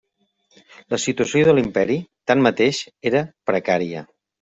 La situació de l'Imperi, tanmateix, era precària.